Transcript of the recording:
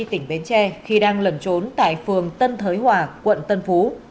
tỉnh bến tre khi đang lẩn trốn tại phường tân thới hòa quận tân phú